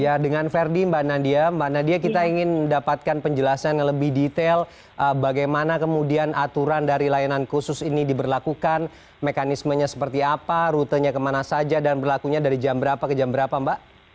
ya dengan verdi mbak nadia mbak nadia kita ingin mendapatkan penjelasan yang lebih detail bagaimana kemudian aturan dari layanan khusus ini diberlakukan mekanismenya seperti apa rutenya kemana saja dan berlakunya dari jam berapa ke jam berapa mbak